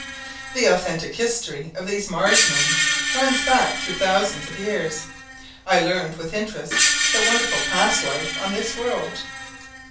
The authentic history of these Marsmen runs back through thousands of years. I learned with interest the wonderful past life on this world.